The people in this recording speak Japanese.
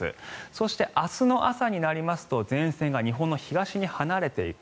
そして、明日の朝になりますと前線が日本の東に離れていく。